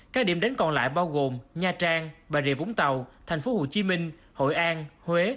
các điểm đến còn lại bao gồm nha trang bà rịa vũng tàu thành phố hồ chí minh hội an huế